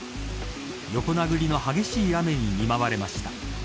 横殴りの激しい雨に見舞われました。